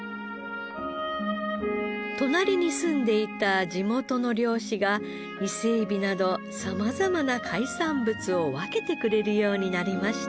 隣に住んでいた地元の漁師が伊勢エビなど様々な海産物を分けてくれるようになりました。